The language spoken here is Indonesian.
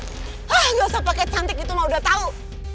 gak usah pakai cantik gitu mah udah tahu